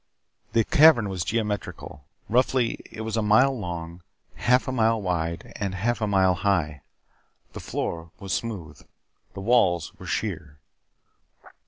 The cavern was geometrical. Roughly, it was a mile long, half a mile wide, and half a mile high. The floor was smooth; the walls were sheer.